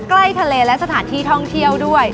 ใกล้ทะเลและสถานที่ท่องเที่ยวด้วย